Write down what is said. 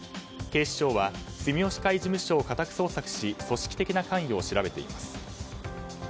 警視庁は住吉会事務所を家宅捜索し組織的な関与を調べています。